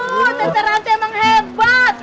waduh tante ranti emang hebat